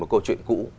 một câu chuyện cũ